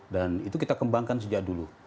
dan itu kita kembangkan sejak dulu